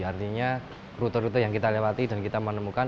artinya rute rute yang kita lewati dan kita menemukan